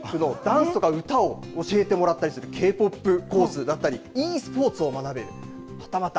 Ｋ−ＰＯＰのダンスとか歌を教えてもらったりするＫ−ＰＯＰコースだったりｅスポーツを学べる。